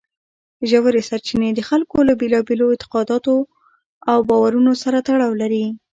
ژورې سرچینې د خلکو له بېلابېلو اعتقاداتو او باورونو سره تړاو لري.